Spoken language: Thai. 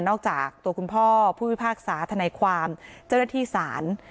จากตัวคุณพ่อผู้พิพากษาธนายความเจ้าหน้าที่ศาล